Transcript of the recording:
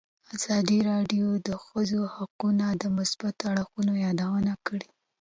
ازادي راډیو د د ښځو حقونه د مثبتو اړخونو یادونه کړې.